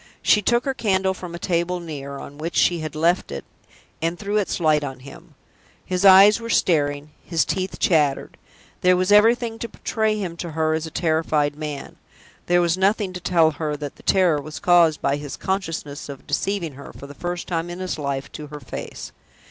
She took her candle from a table near, on which she had left it, and threw its light on him. His eyes were staring, his teeth chattered. There was everything to betray him to her as a terrified man; there was nothing to tell her that the terror was caused by his consciousness of deceiving her, for the first time in his life, to her face.